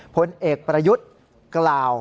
ผลเอกประยุทธ์กล่าว